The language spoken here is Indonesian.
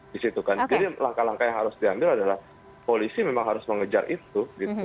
jadi langkah langkah yang harus diambil adalah polisi memang harus mengejar itu